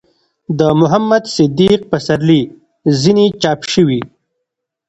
،د محمد صديق پسرلي ځينې چاپ شوي